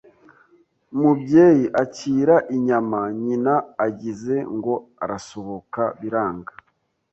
Mubyeyi akira inyama Nyina agize ngo arasohoka biranga